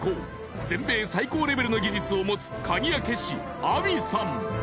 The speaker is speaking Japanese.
全米最高レベルの技術を持つ鍵開け師アヴィさん